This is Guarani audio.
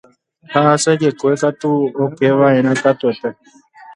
Ha asajekue katu okeva'erã katuete.